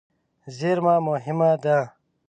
زېرمه مهمه ده.